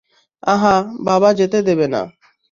আঁহা, বাবা যেতে দেবে না।